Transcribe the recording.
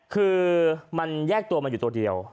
คือมันแยกตัวมาอยู่ตัวเดียว